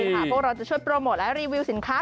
พวกเราจะช่วยโปรโมทและรีวิวสินค้า